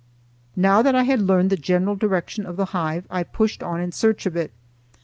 Now that I had learned the general direction of the hive, I pushed on in search of it.